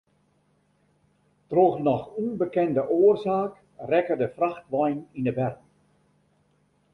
Troch noch ûnbekende oarsaak rekke de frachtwein yn de berm.